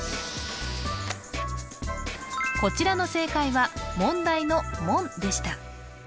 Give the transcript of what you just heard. こちらの正解は問題の「問」でした